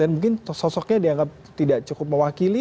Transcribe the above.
mungkin sosoknya dianggap tidak cukup mewakili